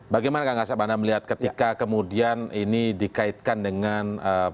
bagaimana kang asep anda melihat ketika kemudian ini dikaitkan dengan